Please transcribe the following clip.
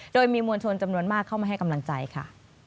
โดยมีมวลชนจำนวนมากเข้ามาให้กำลังใจค่ะ